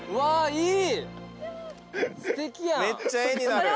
いい？